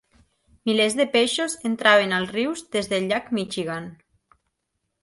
Milers de peixos entraven als rius des del llac Michigan.